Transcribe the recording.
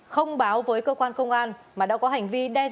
không báo với cơ quan công an mà đã có hành vi